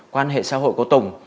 quan hệ xã hội của tùng